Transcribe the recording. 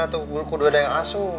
atau kudu ada yang asuh